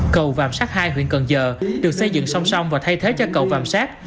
cầu vạm sát hai huyện cần giờ được xây dựng song song và thay thế cho cầu vạm sát